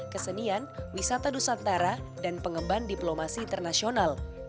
kesenian wisata dosa antara dan pengemban diplomasi internasional